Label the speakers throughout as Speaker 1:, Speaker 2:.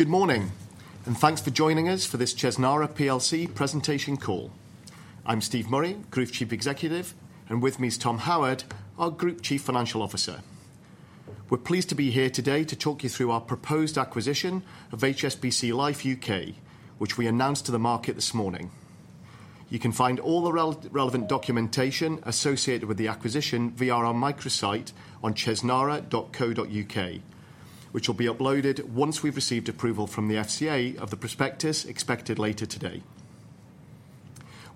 Speaker 1: Good morning, and thanks for joining us for this Chesnara PLC Presentation Call. I'm Steve Murray, Group Chief Executive, and with me is Tom Howard, our Group Chief Financial Officer. We're pleased to be here today to talk you through our proposed acquisition of HSBC Life U.K., which we announced to the market this morning. You can find all the relevant documentation associated with the acquisition via our microsite on chesnara.co.uk, which will be uploaded once we've received approval from the FCA of the prospectus expected later today.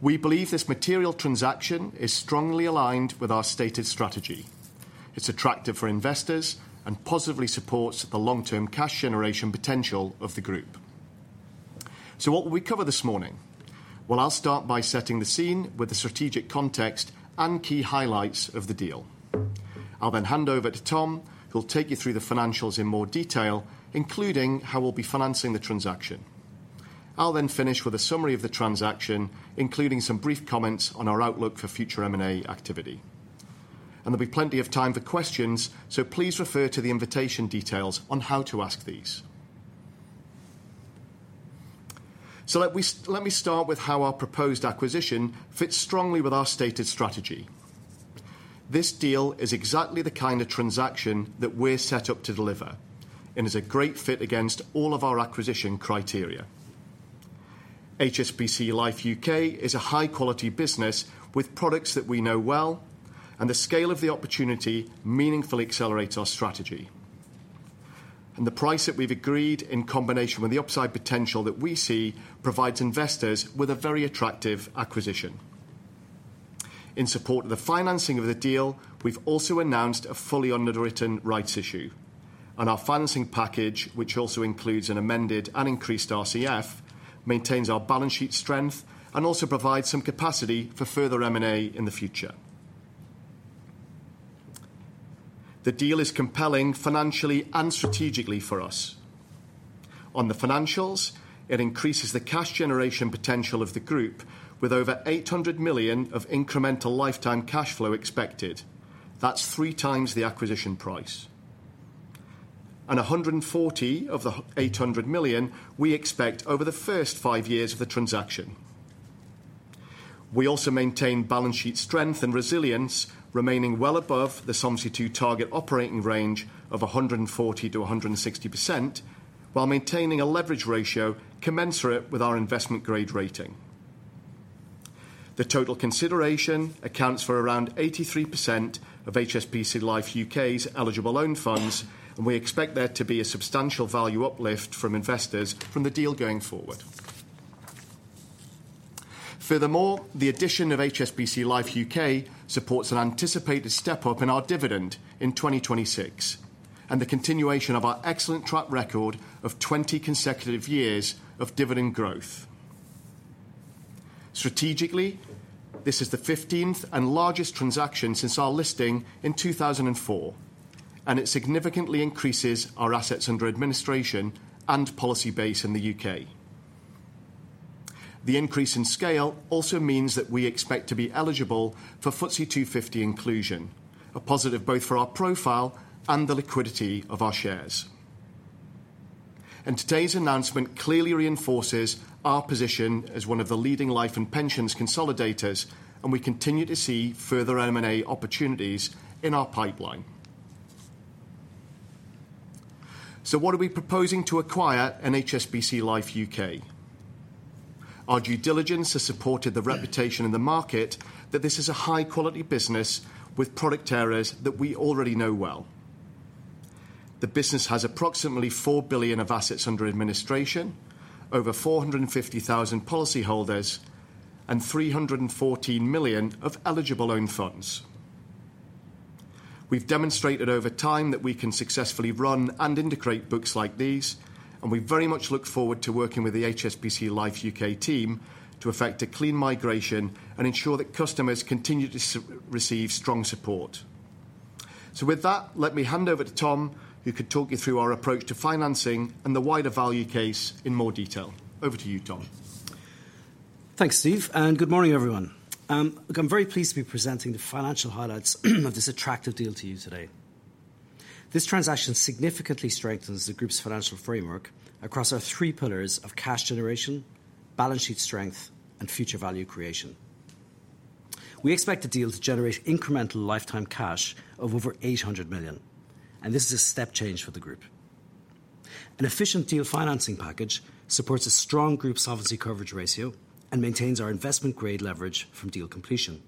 Speaker 1: We believe this material transaction is strongly aligned with our stated strategy. It's attractive for investors and positively supports the long-term cash generation potential of the group. What will we cover this morning? I'll start by setting the scene with the strategic context and key highlights of the deal. I'll then hand over to Tom, who'll take you through the financials in more detail, including how we'll be financing the transaction. I'll then finish with a summary of the transaction, including some brief comments on our outlook for future M&A activity. There'll be plenty of time for questions, so please refer to the invitation details on how to ask these. Let me start with how our proposed acquisition fits strongly with our stated strategy. This deal is exactly the kind of transaction that we're set up to deliver, and it's a great fit against all of our acquisition criteria. HSBC Life U.K. is a high-quality business with products that we know well, and the scale of the opportunity meaningfully accelerates our strategy. The price that we've agreed, in combination with the upside potential that we see, provides investors with a very attractive acquisition. In support of the financing of the deal, we've also announced a fully underwritten rights issue. Our financing package, which also includes an amended and increased RCF, maintains our balance sheet strength and also provides some capacity for further M&A in the future. The deal is compelling financially and strategically for us. On the financials, it increases the cash generation potential of the group, with over 800 million of incremental lifetime cash flow expected. That's three times the acquisition price. 140 million of the 800 million we expect over the first five years of the transaction. We also maintain balance sheet strength and resilience, remaining well above the Solvency II target operating range of 140%-160%, while maintaining a leverage ratio commensurate with our investment-grade rating. The total consideration accounts for around 83% of HSBC Life U.K.'s eligible loan funds, and we expect there to be a substantial value uplift from investors from the deal going forward. Furthermore, the addition of HSBC Life U.K. supports an anticipated step-up in our dividend in 2026, and the continuation of our excellent track record of 20 consecutive years of dividend growth. Strategically, this is the 15th and largest transaction since our listing in 2004, and it significantly increases our assets under administration and policy base in the U.K. The increase in scale also means that we expect to be eligible for FTSE 250 inclusion, a positive both for our profile and the liquidity of our shares. Today's announcement clearly reinforces our position as one of the leading life and pensions consolidators, and we continue to see further M&A opportunities in our pipeline. What are we proposing to acquire in HSBC Life U.K.? Our due diligence has supported the reputation in the market that this is a high-quality business with product areas that we already know well. The business has approximately 4 billion of assets under administration, over 450,000 policy holders, and 314 million of eligible loan funds. We've demonstrated over time that we can successfully run and integrate books like these, and we very much look forward to working with the HSBC Life U.K. team to effect a clean migration and ensure that customers continue to receive strong support. With that, let me hand over to Tom, who could talk you through our approach to financing and the wider value case in more detail. Over to you, Tom.
Speaker 2: Thanks, Steve, and good morning, everyone. I'm very pleased to be presenting the financial highlights of this attractive deal to you today. This transaction significantly strengthens the group's financial framework across our three pillars of cash generation, balance sheet strength, and future value creation. We expect the deal to generate incremental lifetime cash of over 800 million, and this is a step change for the group. An efficient deal financing package supports a strong group solvency coverage ratio and maintains our investment-grade leverage from deal completion.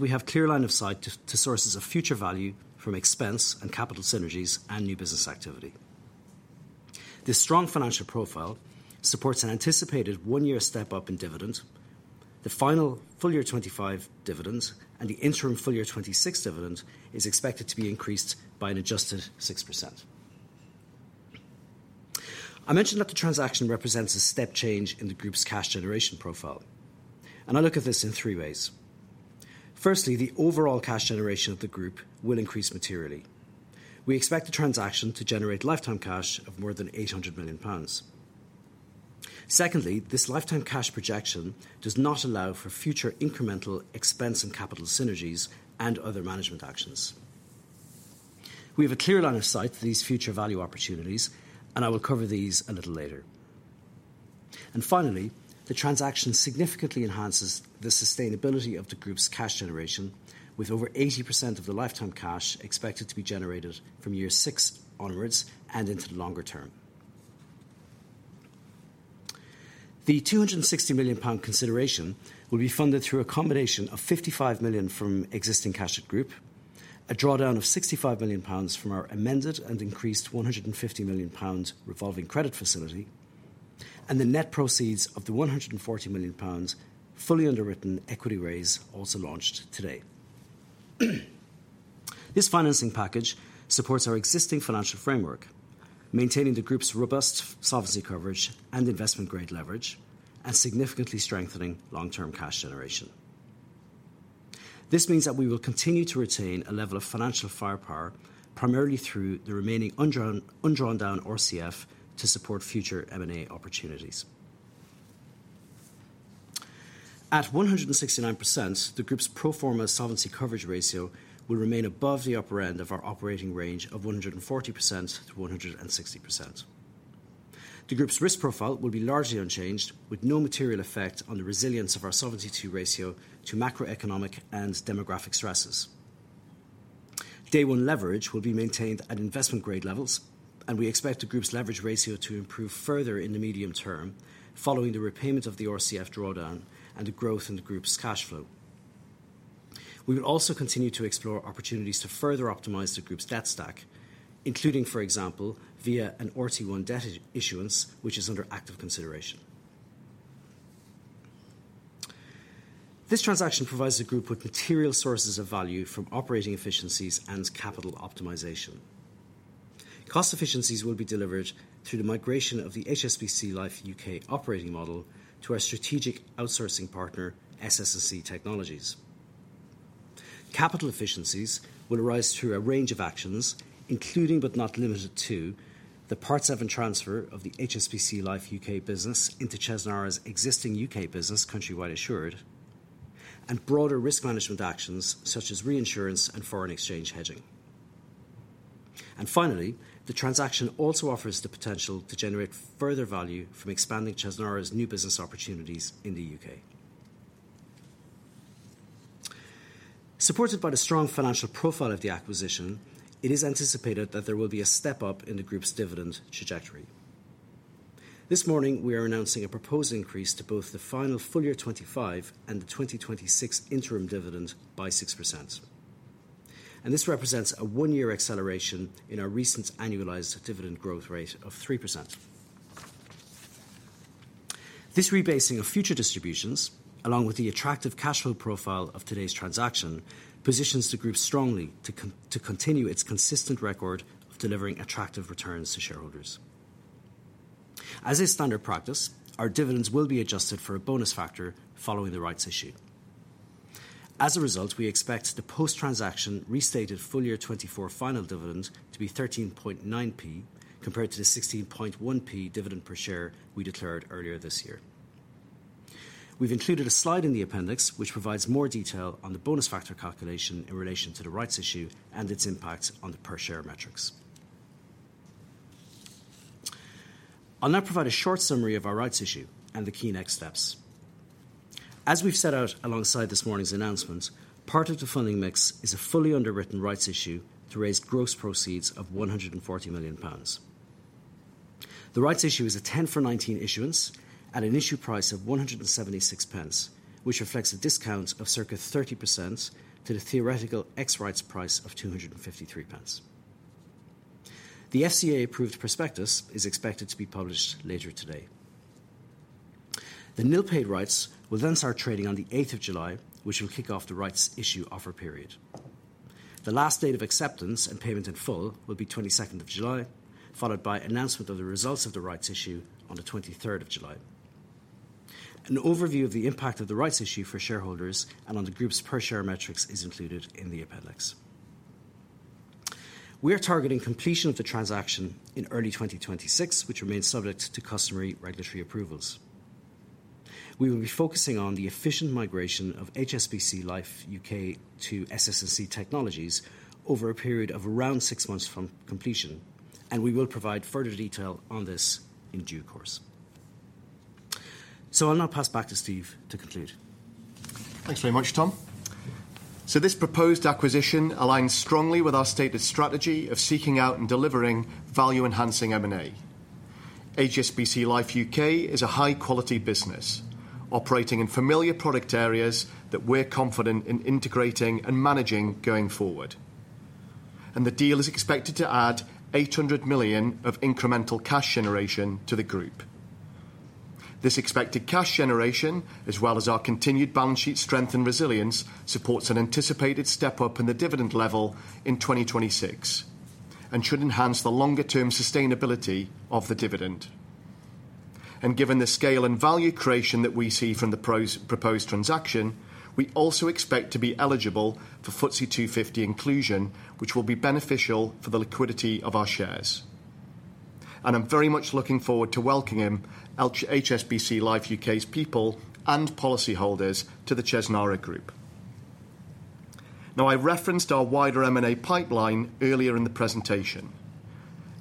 Speaker 2: We have a clear line of sight to sources of future value from expense and capital synergies and new business activity. This strong financial profile supports an anticipated one-year step-up in dividend. The final full-year 2025 dividend and the interim full-year 2026 dividend is expected to be increased by an adjusted 6%. I mentioned that the transaction represents a step change in the group's cash generation profile, and I look at this in three ways. Firstly, the overall cash generation of the group will increase materially. We expect the transaction to generate lifetime cash of more than 800 million pounds. Secondly, this lifetime cash projection does not allow for future incremental expense and capital synergies and other management actions. We have a clear line of sight to these future value opportunities, and I will cover these a little later. Finally, the transaction significantly enhances the sustainability of the group's cash generation, with over 80% of the lifetime cash expected to be generated from year six onwards and into the longer term. The 260 million pound consideration will be funded through a combination of 55 million from existing cash at group, a drawdown of 65 million pounds from our amended and increased 150 million pounds revolving credit facility, and the net proceeds of the 140 million pounds fully underwritten equity raise also launched today. This financing package supports our existing financial framework, maintaining the group's robust solvency coverage and investment-grade leverage, and significantly strengthening long-term cash generation. This means that we will continue to retain a level of financial firepower primarily through the remaining undrawn-down RCF to support future M&A opportunities. At 169%, the group's pro forma solvency coverage ratio will remain above the upper end of our operating range of 140%-160%. The group's risk profile will be largely unchanged, with no material effect on the resilience of our solvency ratio to macroeconomic and demographic stresses. Day one leverage will be maintained at investment-grade levels, and we expect the group's leverage ratio to improve further in the medium term following the repayment of the RCF drawdown and the growth in the group's cash flow. We will also continue to explore opportunities to further optimize the group's debt stack, including, for example, via an RT1 debt issuance, which is under active consideration. This transaction provides the group with material sources of value from operating efficiencies and capital optimization. Cost efficiencies will be delivered through the migration of the HSBC Life U.K. operating model to our strategic outsourcing partner, SS&C Technologies. Capital efficiencies will arise through a range of actions, including but not limited to the Part VII transfer of the HSBC Life U.K. Business into Chesnara's existing U.K. Business, Countrywide Assured, and broader risk management actions such as reinsurance and foreign exchange hedging. Finally, the transaction also offers the potential to generate further value from expanding Chesnara's new business opportunities in the U.K. Supported by the strong financial profile of the acquisition, it is anticipated that there will be a step-up in the group's dividend trajectory. This morning, we are announcing a proposed increase to both the final full-year 2025 and the 2026 interim dividend by 6%. This represents a one-year acceleration in our recent annualized dividend growth rate of 3%. This rebasing of future distributions, along with the attractive cash flow profile of today's transaction, positions the group strongly to continue its consistent record of delivering attractive returns to shareholders. As is standard practice, our dividends will be adjusted for a bonus factor following the rights issue. As a result, we expect the post-transaction restated full-year 2024 final dividend to be 13.9 p compared to the 16.1 p dividend per share we declared earlier this year. We've included a slide in the appendix which provides more detail on the bonus factor calculation in relation to the rights issue and its impact on the per share metrics. I'll now provide a short summary of our rights issue and the key next steps. As we've set out alongside this morning's announcement, part of the funding mix is a fully underwritten rights issue to raise gross proceeds of 140 million pounds. The rights issue is a 10-for-19 issuance at an issue price of 1.76, which reflects a discount of circa 30% to the theoretical ex rights price of 2.53. The FCA-approved prospectus is expected to be published later today. The nil-paid rights will then start trading on the 8th of July, which will kick off the rights issue offer period. The last date of acceptance and payment in full will be the 22nd of July, followed by announcement of the results of the rights issue on the 23rd of July. An overview of the impact of the rights issue for shareholders and on the group's per share metrics is included in the appendix. We are targeting completion of the transaction in early 2026, which remains subject to customary regulatory approvals. We will be focusing on the efficient migration of HSBC Life U.K. to SS&C Technologies over a period of around six months from completion, and we will provide further detail on this in due course. I'll now pass back to Steve to conclude.
Speaker 1: Thanks very much, Tom. This proposed acquisition aligns strongly with our stated strategy of seeking out and delivering value-enhancing M&A. HSBC Life U.K. is a high-quality business operating in familiar product areas that we're confident in integrating and managing going forward. The deal is expected to add 800 million of incremental cash generation to the group. This expected cash generation, as well as our continued balance sheet strength and resilience, supports an anticipated step-up in the dividend level in 2026 and should enhance the longer-term sustainability of the dividend. Given the scale and value creation that we see from the proposed transaction, we also expect to be eligible for FTSE 250 inclusion, which will be beneficial for the liquidity of our shares. I am very much looking forward to welcoming HSBC Life U.K.'s people and policy holders to the Chesnara Group. Now, I referenced our wider M&A pipeline earlier in the presentation.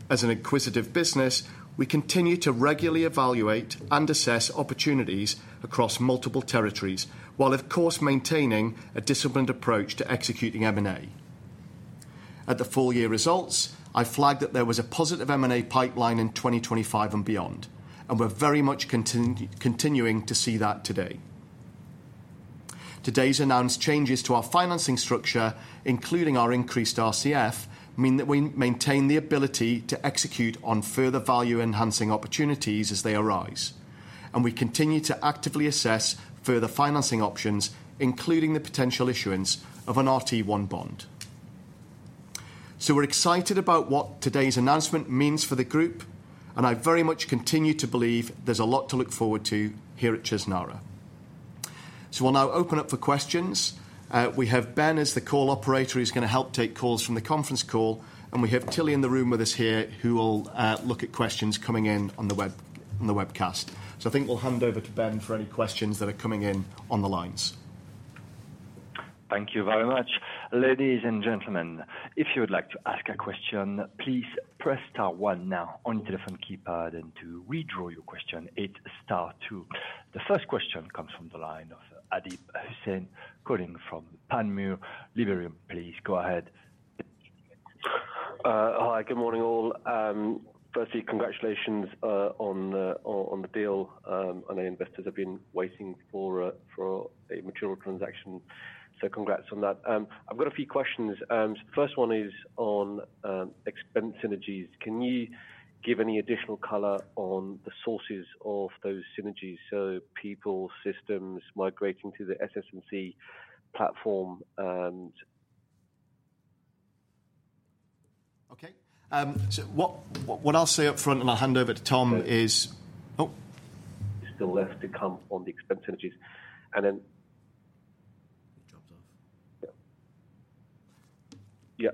Speaker 1: As an acquisitive business, we continue to regularly evaluate and assess opportunities across multiple territories while, of course, maintaining a disciplined approach to executing M&A. At the full-year results, I flagged that there was a positive M&A pipeline in 2025 and beyond, and we're very much continuing to see that today. Today's announced changes to our financing structure, including our increased RCF, mean that we maintain the ability to execute on further value-enhancing opportunities as they arise, and we continue to actively assess further financing options, including the potential issuance of an RT1 bond. We are excited about what today's announcement means for the group, and I very much continue to believe there's a lot to look forward to here at Chesnara. I will now open up for questions. We have Ben as the call operator who is going to help take calls from the conference call, and we have Tilly in the room with us here who will look at questions coming in on the webcast. I think we will hand over to Ben for any questions that are coming in on the lines.
Speaker 3: Thank you very much. Ladies and gentlemen, if you would like to ask a question, please press star one now on your telephone keypad, and to withdraw your question, hit star two. The first question comes from the line of Abid Hussain calling from Panmure Liberum. Please go ahead.
Speaker 4: Hi, good morning all. Firstly, congratulations on the deal. I know investors have been waiting for a mature transaction, so congrats on that. I've got a few questions. The first one is on expense synergies. Can you give any additional color on the sources of those synergies, so people, systems migrating to the SS&C platform?
Speaker 1: Okay. What I'll say upfront, and I'll hand over to Tom, is...
Speaker 4: Still left to come on the expense synergies. Then...
Speaker 1: Yeah.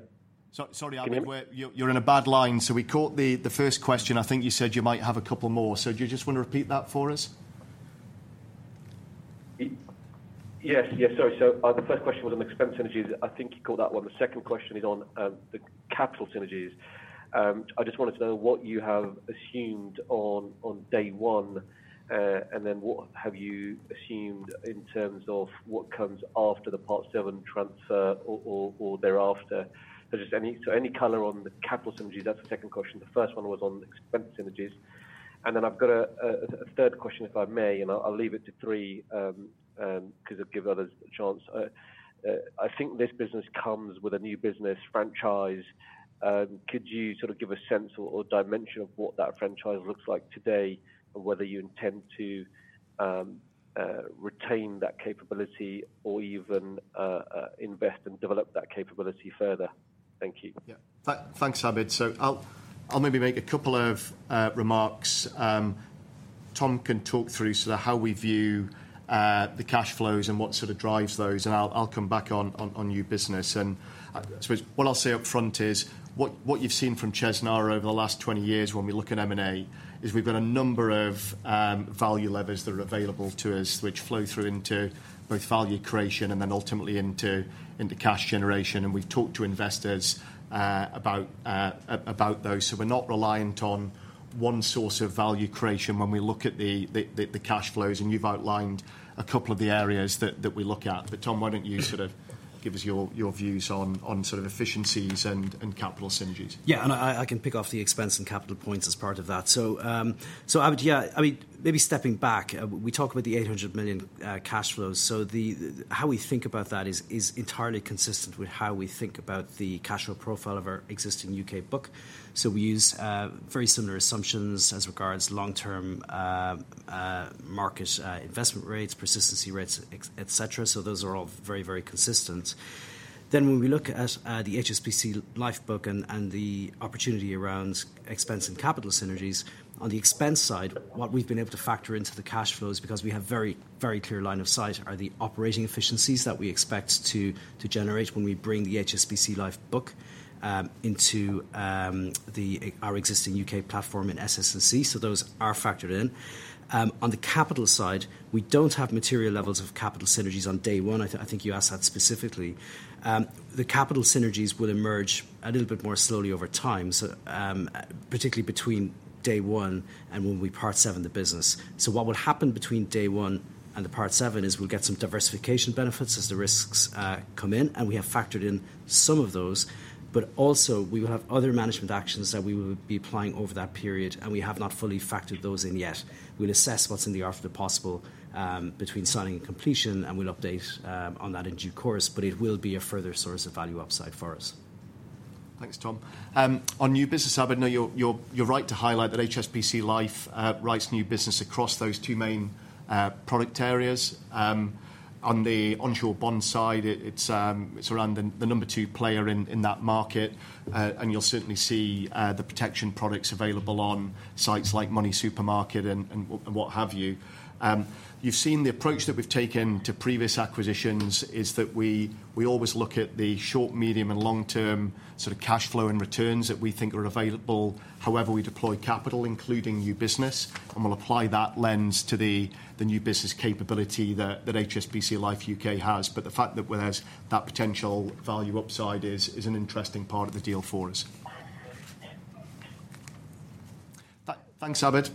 Speaker 1: Sorry, Adib, you're on a bad line, so we caught the first question. I think you said you might have a couple more, so do you just want to repeat that for us?
Speaker 5: Yes, yes, sorry. The first question was on the expense synergies. I think you caught that one. The second question is on the capital synergies. I just wanted to know what you have assumed on day one, and then what have you assumed in terms of what comes after the Part VII Transfer or thereafter? Any color on the capital synergies? That is the second question. The first one was on expense synergies. I have a third question, if I may, and I will leave it to three because it gives others a chance. I think this business comes with a new business franchise. Could you sort of give a sense or dimension of what that franchise looks like today and whether you intend to retain that capability or even invest and develop that capability further? Thank you.
Speaker 1: Yeah. Thanks, Abid. I'll maybe make a couple of remarks. Tom can talk through sort of how we view the cash flows and what sort of drives those, and I'll come back on new business. I suppose what I'll say upfront is what you've seen from Chesnara over the last 20 years when we look at M&A is we've got a number of value levers that are available to us, which flow through into both value creation and then ultimately into cash generation. We've talked to investors about those. We're not reliant on one source of value creation when we look at the cash flows, and you've outlined a couple of the areas that we look at. Tom, why don't you sort of give us your views on sort of efficiencies and capital synergies? Yeah.
Speaker 2: I can pick off the expense and capital points as part of that. Abid, yeah, I mean, maybe stepping back, we talk about the 800 million cash flows. How we think about that is entirely consistent with how we think about the cash flow profile of our existing U.K. book. We use very similar assumptions as regards long-term market investment rates, persistency rates, etc. Those are all very, very consistent. When we look at the HSBC Life book and the opportunity around expense and capital synergies, on the expense side, what we have been able to factor into the cash flows because we have a very clear line of sight are the operating efficiencies that we expect to generate when we bring the HSBC Life book into our existing U.K. platform in SS&C. Those are factored in. On the capital side, we do not have material levels of capital synergies on day one. I think you asked that specifically. The capital synergies will emerge a little bit more slowly over time, particularly between day one and when we Part Seven the business. What will happen between day one and the Part Seven is we will get some diversification benefits as the risks come in, and we have factored in some of those. Also, we will have other management actions that we will be applying over that period, and we have not fully factored those in yet. We will assess what is in the arc of the possible between signing and completion, and we will update on that in due course, but it will be a further source of value upside for us. Thanks, Tom. On new business, Abid, I know you're right to highlight that HSBC Life writes new business across those two main product areas. On the onshore bond side, it's around the number two player in that market, and you'll certainly see the protection products available on sites like Money Supermarket and what have you. You've seen the approach that we've taken to previous acquisitions is that we always look at the short, medium, and long-term sort of cash flow and returns that we think are available however we deploy capital, including new business, and we'll apply that lens to the new business capability that HSBC Life U.K. has. The fact that there's that potential value upside is an interesting part of the deal for us. Thanks, Abid.